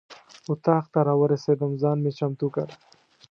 اتاق ته راورسېدم ځان مې چمتو کړ.